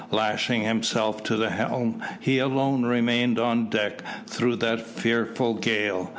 Lashing himself to the helm, he alone remained on deck through that fearful gale.